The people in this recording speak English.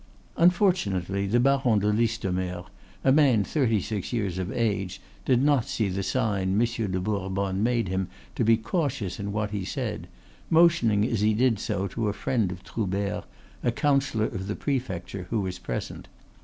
Unfortunately the Baron de Listomere (a man thirty six years of age) did not see the sign Monsieur de Bourbonne made him to be cautious in what he said, motioning as he did so to a friend of Troubert, a councillor of the Prefecture, who was present.